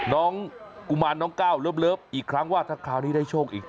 กุมารน้องก้าวเลิฟอีกครั้งว่าถ้าคราวนี้ได้โชคอีก